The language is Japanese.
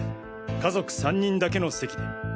家族３人だけの席で。